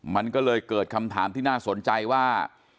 มันก็เลยเกิดคำถามที่น่าสนใจว่า